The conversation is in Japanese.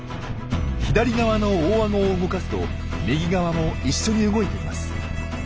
左側の大あごを動かすと右側も一緒に動いています。